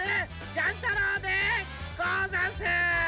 ジャン太郎でござんす。